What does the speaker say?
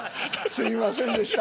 すみませんでした。